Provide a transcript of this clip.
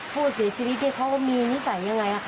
ฟูดเสียชีวิตที่เขามีนิสัยอย่างไรค่ะ